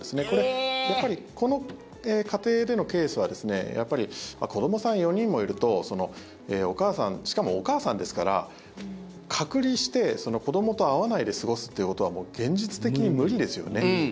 これ、この家庭でのケースはやっぱり子どもさん４人もいるとしかも、お母さんですから隔離して子どもと会わないで過ごすっていうことは現実的に無理ですよね。